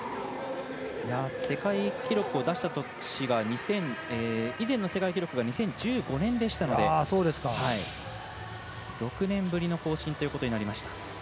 世界記録を出した年が２０１５年でしたので６年ぶりの更新ということになりました。